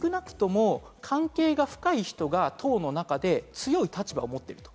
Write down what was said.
少なくとも関係が深い人が党の中で強い立場を持ってると。